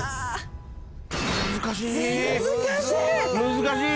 難しい。